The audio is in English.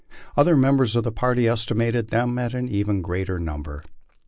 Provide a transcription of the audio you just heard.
Other members of the party estimated them at even a greater number.